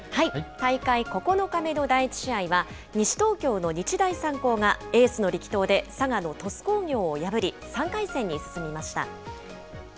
大会９日目の第１試合は、西東京の日大三高がエースの力投で佐賀の鳥栖工業を破り、３回戦に進みました。